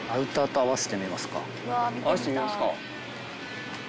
合わせてみますか。